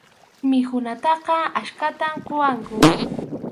Mikhunataqa achkatam quwaqku.